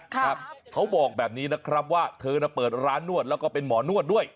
เขาบอกแบบนี้นะครับว่าเธอน่ะเปิดร้านนวดแล้วก็เป็นหมอนวดด้วย